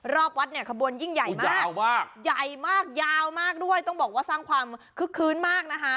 รอบวัดเนี่ยขบวนยิ่งใหญ่มากยาวมากใหญ่มากยาวมากด้วยต้องบอกว่าสร้างความคึกคื้นมากนะคะ